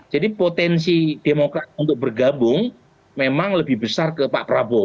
jadi potensi demokrat untuk bergabung memang lebih besar ke pak prabowo